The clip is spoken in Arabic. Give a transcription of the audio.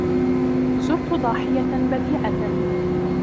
زُرْتُ ضَاحِيَةً بَدِيعَةً.